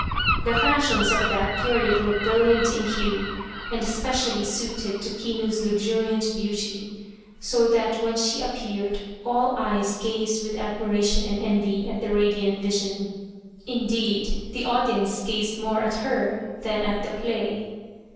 The fashions of that period were brilliant in hue, and especially suited to Kinu's luxuriant beauty, so that when she appeared all eyes gazed with admiration and envy at the radiant vision ; 224 Kinu Returns from the Grave indeed, the audience gazed more at her than at the play.